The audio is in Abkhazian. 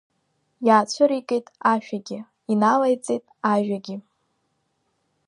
Иаацәыригеит ашәагьы, иналеиҵеит ажәагьы…